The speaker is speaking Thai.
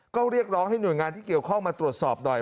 ก็เรียกร้องให้หน่วยงานที่เกี่ยวข้องมาตรวจสอบหน่อย